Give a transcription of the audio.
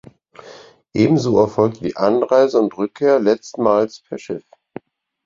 Ebenso erfolgte die Anreise und Rückkehr letztmals per Schiff.